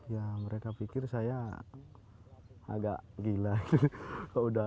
ya mereka pikir saya agak gila gitu